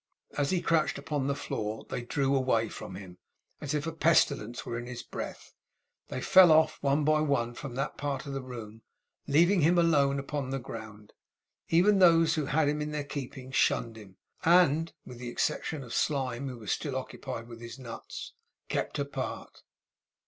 As he crouched upon the floor, they drew away from him as if a pestilence were in his breath. They fell off, one by one, from that part of the room, leaving him alone upon the ground. Even those who had him in their keeping shunned him, and (with the exception of Slyme, who was still occupied with his nuts) kept apart.